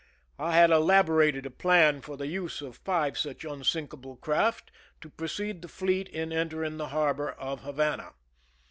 I had elaborated a plan for the use of five such unsinkable craft, to precede the fleet in entering the harbor of Havana.